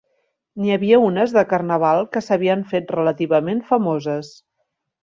N'hi havia unes de Carnaval que s'havien fet relativament famoses.